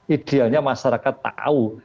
idealnya masyarakat tahu